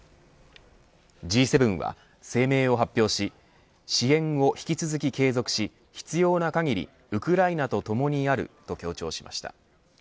Ｇ７は声明を発表し支援を引き続き継続し必要な限りウクライナとともにあると強調しました。